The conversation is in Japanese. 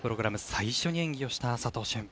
最初に演技をした佐藤駿。